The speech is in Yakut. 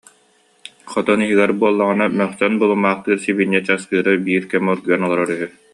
Хотон иһигэр буоллаҕына мөхсөн булумахтаныы, сибиинньэ часкыы- ра биир кэм оргуйан олорор үһү